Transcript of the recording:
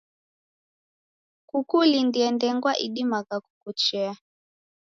Kukulindie na ndengwa idimagha kukuchea.